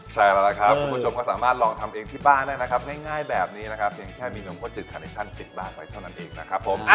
ใช่แล้วละครับคุณผู้ชมก็สามารถลองทำเองที่บ้านได้นะครับง่ายแบบนี้แค่มีหนมโฮจิตแคลมเซลล์ป่านไว้เท่านั้นเองอ้าว